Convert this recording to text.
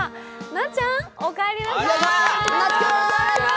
なっちゃん、おかえりなさい！